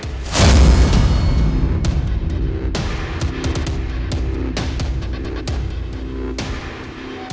maksud anda apa ya